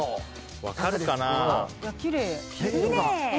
分かるかな？